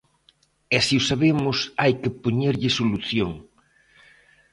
E se o sabemos hai que poñerlle solución.